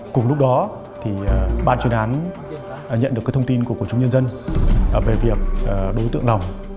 cùng lúc đó thì ban chuyên án nhận được thông tin của quần chúng nhân dân về việc đối tượng lòng